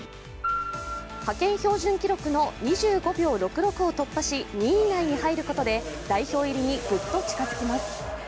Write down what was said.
派遣標準記録の２５秒６６を突破し、２位以内に入ることで代表入りにぐっと近付きます。